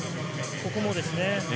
ここもです。